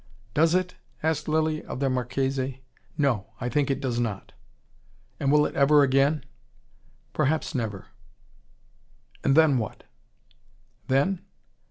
"Does it?" asked Lilly of the Marchese. "No. I think it does not." "And will it ever again?" "Perhaps never." "And then what?" "Then?